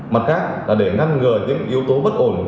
mặt khác là để ngăn ngừa những yếu tố bất ổn